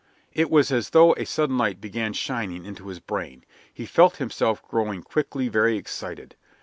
It was as though a sudden light began shining into his brain. He felt himself growing quickly very excited.